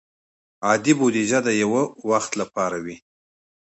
عادي بودیجه د یو وخت لپاره وي.